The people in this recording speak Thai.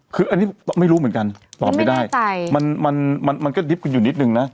คืออันนี้ไม่รู้เหมือนกันตอบไม่ได้มันไม่แน่ใจมันมันมันมันก็ดิบกันอยู่นิดหนึ่งน่ะ